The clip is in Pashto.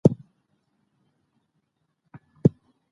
دا سیمې د کلتور زانګو وې.